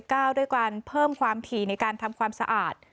ด้วยการเพิ่มความถี่ในการทำความสะอาด